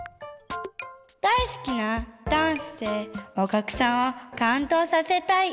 だいすきなダンスでおきゃくさんをかんどうさせたい！